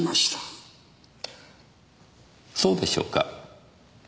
そうでしょうか？